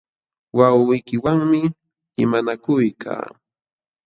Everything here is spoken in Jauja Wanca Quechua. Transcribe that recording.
Wawqiykiwanmi limanakuykaa.